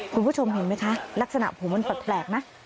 คุณผู้ชมเห็นไหมคะลักษณะผมมันแปลกนะ